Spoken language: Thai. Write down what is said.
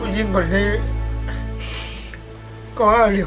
วันนี้กว่านี้